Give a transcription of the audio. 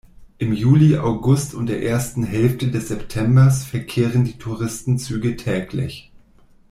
Im Juli, August und der ersten Hälfte des Septembers verkehren die Touristenzüge täglich.